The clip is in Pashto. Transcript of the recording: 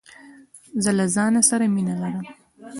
زه له ځانه سره مینه لرم.